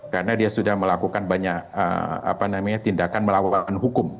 karena dia sudah melakukan banyak tindakan melawan hukum